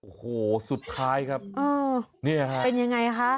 โอ้โฮสุดท้ายครับเป็นยังไงคะ